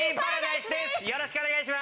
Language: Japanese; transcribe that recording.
よろしくお願いします。